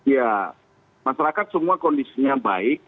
ya masyarakat semua kondisinya baik